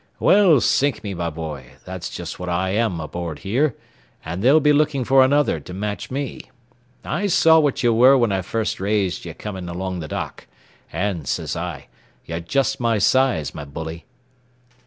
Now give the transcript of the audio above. "Well, sink me, my boy, that's just what I am aboard here, and they'll be looking for another to match me. I saw what ye were when I first raised ye coming along the dock, and sez I, ye're just my size, my bully."